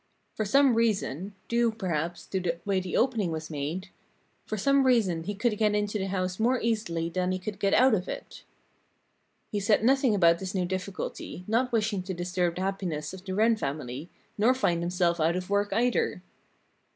For some reason due, perhaps, to the way the opening was made for some reason he could get into the house more easily than he could get out of it. He said nothing about this new difficulty, not wishing to disturb the happiness of the Wren family, nor find himself out of work, either.